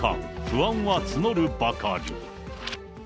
不安は募るばかり。